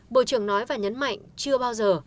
bộ trưởng nói và nhấn mạnh chưa bao giờ